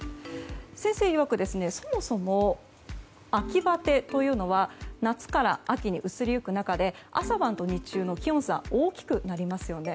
先生いわく、そもそも秋バテというのは夏から秋に移り行く中で朝晩と日中の気温差が大きくなりますよね。